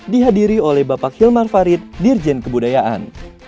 dihadiri oleh bapak hilman farid dirjen kebudayaan